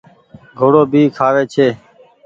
گھوڙو ڀي کآوي ڇي۔